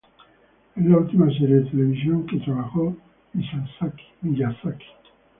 Es la última serie de televisión en que trabajó Miyazaki.